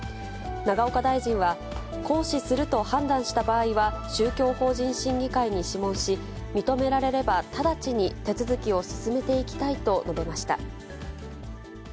永岡大臣は、行使すると判断した場合は、宗教法人審議会に諮問し、認められれば、直ちに手続きを進めていきたいと述べました。